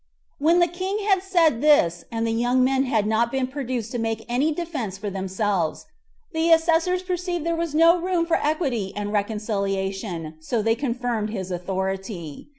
3. When the king had said this, and the young men had not been produced to make any defense for themselves, the assessors perceived there was no room for equity and reconciliation, so they confirmed his authority.